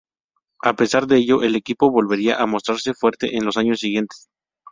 A pesar de ello, el equipo volvería a mostrarse fuerte en los años siguientes.